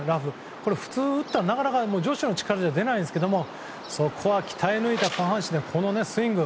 これは普通打ったら、なかなか女子の力では出ないんですがそこは鍛え抜いた下半身でこのスイング。